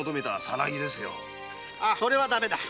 それはダメだ。